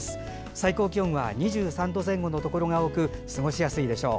最高気温は２３度前後のところが多く過ごしやすいでしょう。